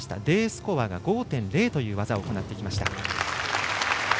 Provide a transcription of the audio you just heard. Ｄスコアが５．０という技を行ってきました。